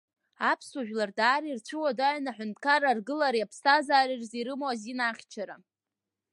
Аԥсуа жәлар даара ирцәуадаҩын аҳәынҭқарра аргылареи аԥсҭазаареи рзы ирымоу азин ахьчара.